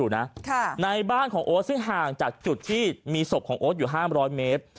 ในบ้านของโอ๊ตซึ่งห่างจากจุดที่สทธิบอยู่๕๐๐เมตร